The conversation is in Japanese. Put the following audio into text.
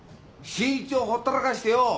信一をほったらかしてよ